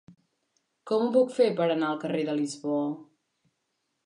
Com ho puc fer per anar al carrer de Lisboa?